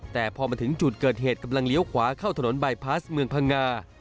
แต่พอมาถึงจุดเกิดเหตุกำลังเลี้ยวขวาเข้าถนนบายพลาสเมืองพังงา